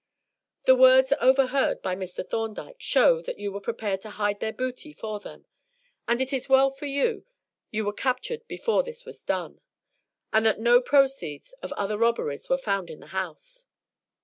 The words overheard by Mr. Thorndyke show that you were prepared to hide their booty for them, and it is well for you that you were captured before this was done, and that no proceeds of other robberies were found in the house.